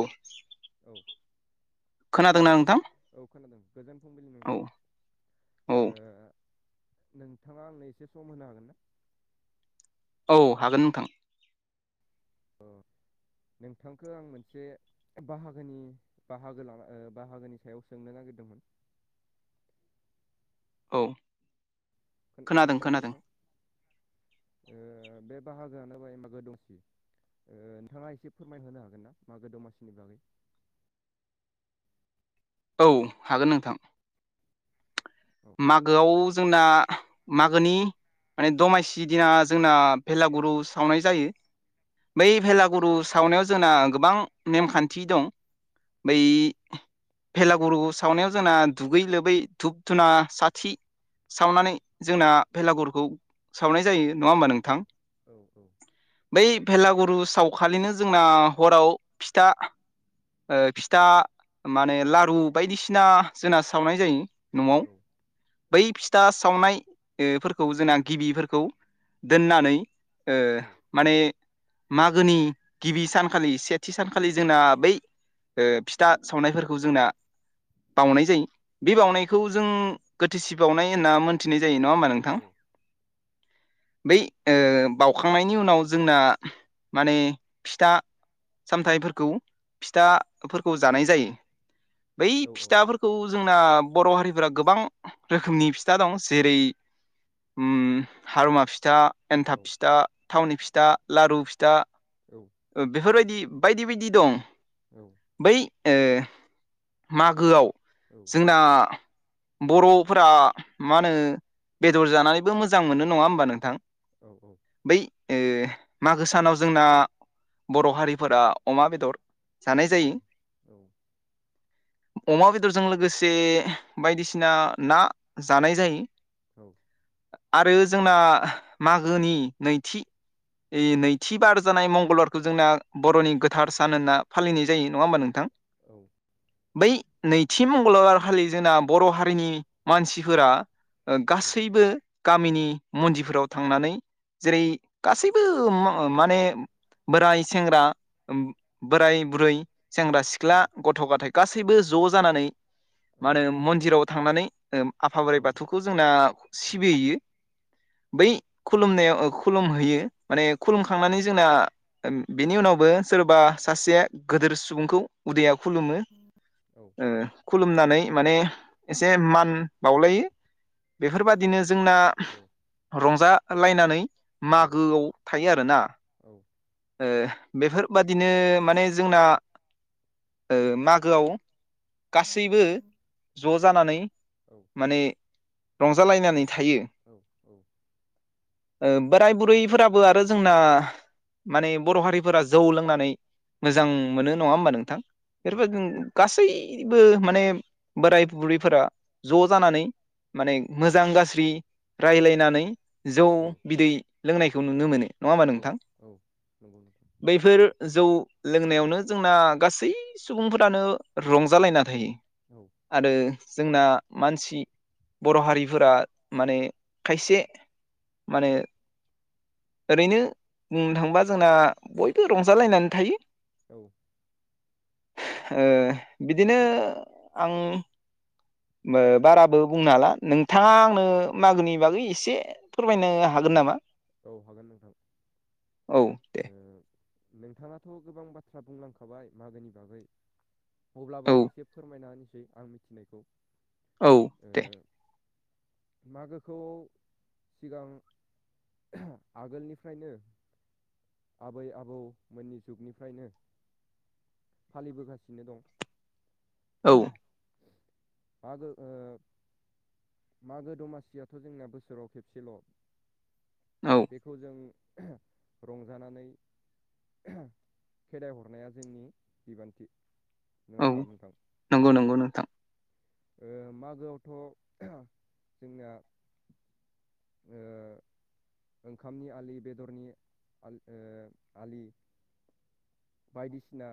औ औ खोनादोंना नोंथां औ खोनादों गोजोन फुंबिलि औ नोंथां औ नोंथाङा आंनो एसे सम होनो हागोन ना औ हागोन नोंथां अ नोंथांखौ आं मोनसे बाहागोनि बाहागो लाना बाहागोनि सायाव सोंनो नागिरदोंमोन औ खोनादों खोनादोंना खोनादों नोंथां बे बाहागोआानो बाहागोआनो जाबाय मागो दमासि नोंथाङा एसे फोरमाय होनो हागोनना मागो दमासिनि बागै औ हागोन नोंथां औ मागोआव जोंना मागोनि माने दमासि दिना जोंना भेलागुरु सावनाय जायो बै भेलागुरु औ सावनायाव जोंना गोबां नेमखान्थि दं बै औ भेलागुरु सावनायाव जोंना दुगै लोबै धुब धुना साथि सावनानै जोंना भेलागुरखौ सावनाय जायो नङा होमबा नोंथां औ औ बै भेलागुरु सावखालिनो जोंना हराव फिथा ओ फिथा माने लारु बायदिसिना जोंना सावनाय जायो न'आव औ बै फिथा सावनायफोरखौ जोंना गिबिफोरखौ दोननानै ओ औ माने मागोनि गिबि सानखालि एसे सेथि सानखालि जोंना बै ओ फिथा सावनायफोरखौ जोंना बाउनाय जायो बे औ बावनायखौ जों गोथोसि बावनाय होनना मोनथिनाय जायो नङा होमबा नोंथां औ बै ओ बाउखांनायनि उनाव जोंना माने फिथा सामथाइफोरखौ फिथाफोरखौ जानाय जायो बै औ फिथाफोरखौ जोंना बर' हारिफोरा गोबां रोखोमनि फिथा दं जेरै उम हारुमा फिथा एन्थाब फिथा थावनि फिथा लारु फिथा औ बेफोरबायदि बायदि बायदि दं औ बै ओ मागोआव जोंना बर'फोरा मा होनो बेदर जानानैबो मोजां मोनो नङा होमबा नोंथां औ औ बै ओ मागो सानाव जोंना बर' हारिफोरा अमा बेदर जानाय जायो अमा बेदरजों लोगोसे बायदिसिना ना जानाय जायो औ आरो जोंना मागोनि नैथि ऐ नैथिबार जानाय मंगलबारखौ जोंना बर'नि गोथार सान होनना फालिनाय जायो नङा होमबा नोंथां औ बै नैथि मंगलबारखालि जोंना बर' हारिनि मानसिफोरा गासैबो गामिनि मन्दिरफोराव थांनानै जेरै गासैबो माने बोराय सेंग्रा बोराय बुरै सेंग्रा सि सिख्ला गथ' गथाय गासैबो ज' जानानै औ मा होनो मन्दिराव थांनानै आफा औ बोराइ बाथौखौ जोंना औ औ सिबिहैयो बै खुलुमनायाव खुलुमहैयो माने खुलुमखांनानै जोंना बिनि उनावबो सोरबा सासे गोदोर सुबुंखौ उदैया खुलुमो खुलुमनानै माने एसे मान बावलायो बेफोरबादिनो जोंना रंजालायनानै मागोआव थायो आरोना बेफोरबादिनो माने जोंना ओ मागोआव गासैबो [inaudible] ज' जानानै माने रंजालायनानै थायो औ बोराय बुरैफोराबो आरो जोंना माने बर' हारिफोरा जौ लोंनानै मोजां मोनो नङा होमबा नोंथां बेफोरबायदिनो गासैबो माने बोराय बुरैफोरा ज' जानानै माने मोजां गाज्रि रायलायनानै जौ बिदै लोंनायखौ नुनो मोनो नङा होमबा औ नोंथां औ नंगौ नोंथां बै बेफोर जौ लोंनायावनो जोंना गासै सुबुंफोरानो रंजालायना थायो औ आरो जोंना मानसि बर' हारिफोरा माने खायसे माने ओरैनो बुंनो थाङोबा जोंना बयबो रंजालायनानै थायो औ बिदिनो आं बाराबो बुंनो हाला नोंथाङा आंनो मागोनि बागै एसे फोरमायनो हागोन नामा औ हागोन नोंथां औ दे नोंथाङाथ' गोबां बाथ्रा बुंलांखाबाय मागोनि बागै अब्लाबो औ आं एसे फोरमायना होनसै आं मिथिनायखौ औ दे मागोखौ सिगां आगोलनिफ्रायनो आबै आबौमोननि जुगनिफ्रायनो फालिबोगासिनो औ दं मागो ओ मागो दमासियाथ' जोंना बोसोराव खेबसेल' औ बेखौ जों रंजानानै खेदाइहरनाया जोंनि बिबान्थि नङा औ होमबा नोंथां। नंगौ नंगौ नोंथां ओ मागोआवथ' जोंना ओ ओंखामनि आलि बेदरनि आलि बायदिसिना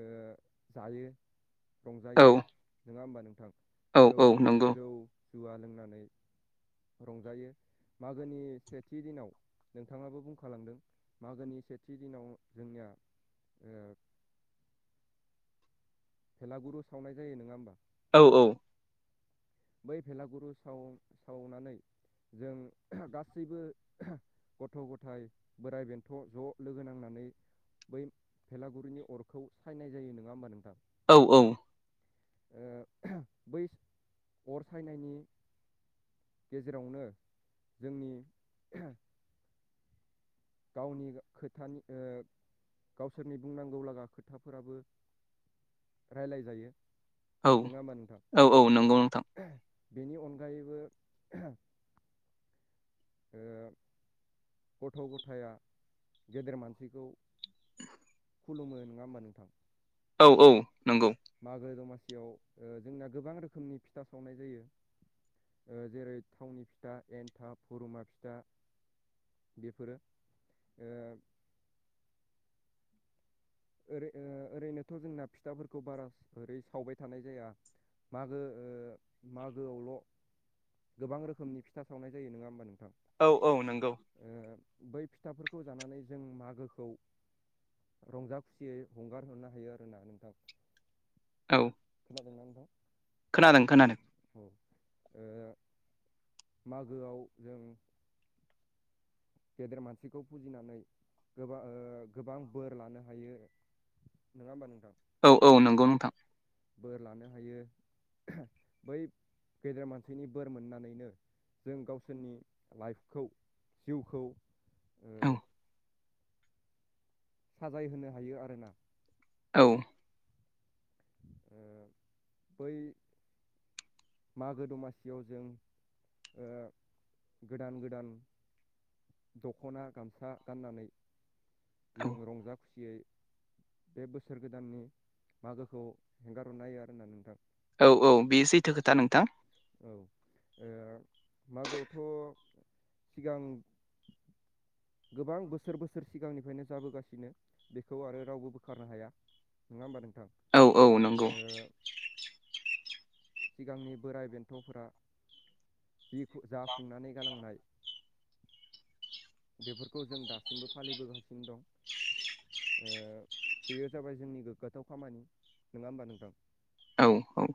ओ जायो औ रंजायो नङा होमबा नोंथां। औ जौ औ नंगौ जौ जुवा लोंनानै रंजायो मागोनि सेथि दिनाव नोंथाङाबो बुंखालांदों मागोनि सेथि दिनाव जोंनिया ओ थेलागुरु सावनाय जायो नङा होमबा। औ औ बै भेलागुरु साव सावनानै जों गासैबो गथ' गथाय बोराइ बेन्थ' ज' लोगो नांनानै बै भेलागुरिनि अरखौ सायनाय जायो नङा होमबा नोंथां। औ औ ओ बै अर सायनायनि गेजेरावनो जोंनि गावनि खोथानि गावसोरनि बुंनांगौ लागा खोथाफोराबो रायलाय जायो औ नङा होमबा औ औ नंगौ नोंथां। बेनि अनगायैबो ओ गथ' गथाया गेदेर मानसिखौ खुुमो नङा होमबा नोंथां। औ औ नंगौ। मागो दमासियाव जोंना गोबां रोखोमनि फिथा सावनाय जायो। जेरै थावनि फिथा एन्थाब पुरुमा फिथा बेफोरो ओ ओरै ओरैनोथ' जोंना फिथाफोरखौ बारा ओरै सावबाय थानाय जाया मागो ओ मागोआवल' गोबां रोखोमनि फिथा सावनाय जायो नङा होमबा नोंथां औ औ नंगौ बै फिथाफोरखौ जानानै जों मागोखौ रंजा खुसियै हंगार हरनो हायो आरोना नोंथां। औ खोनादोंना नोंथां खोनादों खोनादों औ ओ मागोआव जों गेदेर मानसिखौ फुजिनानै गोबां ओ गोबां बोर लानो हायो नङा होमबा नोंथां। औ औ नंगौ नोंथां। बोर लानो हायो बै गेदेर मानसिनि बोर मोननानैनो जों गावसोरनि लाइफखौ जिउखौ ओ औ साजाय होनो हायो आरोना औ ओ बै मागो दमासियाव जों गोदान गोदान दख'ना गामसा गाननानै औ जों रंजा खुसियै बे बोसोर गोदाननि मागोखौ हेंगार हरनो हायो आरोना नोंथां औ औ बे सैथो खोथा नोंथां औ मागोआवथ' सिगां गोबां बोसोर बोसोर सिगांनिफ्रायनो जाबोगासिनो बेखौ आरो रावबो बोखारनो हाया नङा होमबा नोंथां औ औ नंगौ ओ सिगांनि बोराइ बेन्थ'फोरा जाफुंनानै गालांनाय बेफोरखौ जों दासिमबो फालिबोगासिनो दं बेयो जाबाय जोंनि गोग्गाथाव खामानि नङा होमबा नोंथां औ औ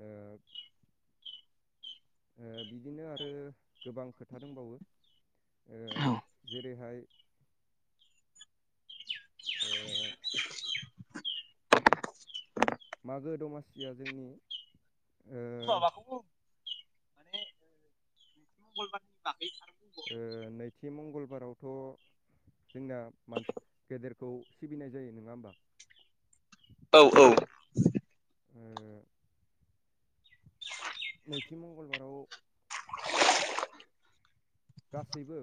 ओ बिदिनो आरो गोबां खोथा दंबावो औ जेरैहाय ओ [unintelligible] मागो दमासिया जोंनि ओ माबाखौ बुं माने मंगलबारनि बागै बुंबाव नैथि मंगलबारावथ' जोंना माने गेदेरखौ सिबिनाय जायो नङा होमबा औ औ ओ नैथि मंगलबाराव गासैबो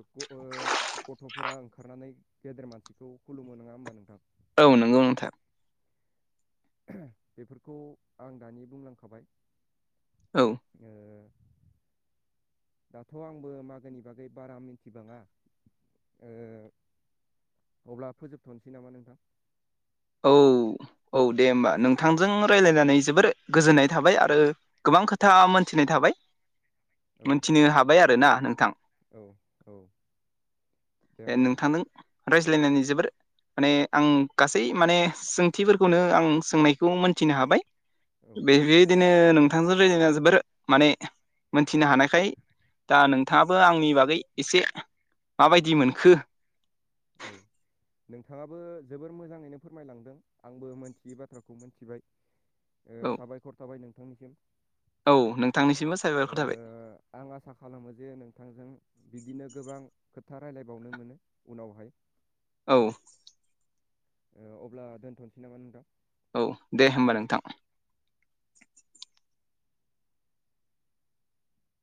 गथ'फोरा ओंखारनानै गेदेर मानसिखौ खुलुमो नङा होमबा नोंथां औ नंगौ नोंथां बेफोरखौ आं दानि बुंलांखाबाय औ ओ दाथ' आंबो मागोनि बागै बारा मिथिबाङा ओ अब्ला फोजोबथ'नोसै नामा नोंथां औ औ दे होमबा नोंथांजों रायज्लायनानै जोबोर गोजोननाय थाबाय आरो गोबां खोथा मोनथिनाय थाबाय [inaudible] मोनथिनो हाबाय आरोना नोंथां औ औ दे होमबा नोंथां नोंथांजों रायज्लायनानै जोबोर माने आं गा सै माने सोंथिफोरखौनो आं सोंनायखौ मोनथिनो हाबाय औ बे बेबायदिनो नों थां रायज्लायनानै जोबोर [unintelligible] माने मोनथिनो हानायखाय दा नोंथाङाबो आंनि बागै एसे माबायदि मोनखो औ नोंथाङाबो जोबोर मोजाङैनो फोरमायलांदों आंबो मोनथियै बाथ्राखौ मोनथिबाय औ ओ साबायखर थाबाय नोंथांनिसिम औ नोंथांनिसिमबो ओ साबायखर थाबाय आं आसा खालामो जे नोंथांजों बिदिनो गोबां खोथा रायलायबावनो मोनो उनावहाय औ ओ अब्ला दोनथ'नोसै नामा नोंथां औ दे होमबा नोंथां